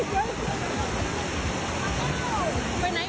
ไปไหนหมดแล้วคน